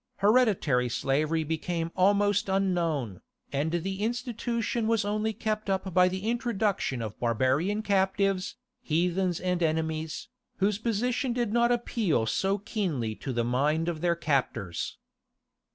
Hereditary slavery became almost unknown, and the institution was only kept up by the introduction of barbarian captives, heathens and enemies, whose position did not appeal so keenly to the mind of their captors.